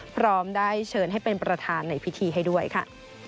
พร้อมได้เชิญให้เป็นประธานในพิธีให้ด้วยค่ะ